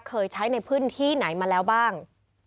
เคยใช้ในพื้นที่ไหนมาแล้วบ้าง